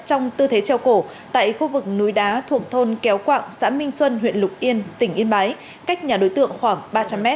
trong tư thế treo cổ tại khu vực núi đá thuộc thôn kéo quạng xã minh xuân huyện lục yên tỉnh yên bái cách nhà đối tượng khoảng ba trăm linh m